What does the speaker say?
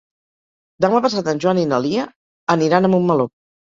Demà passat en Joan i na Lia aniran a Montmeló.